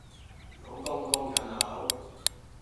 老公供緊樓